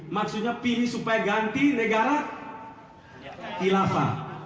maksudnya pilih supaya ganti negara khilafah